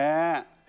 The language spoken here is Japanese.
え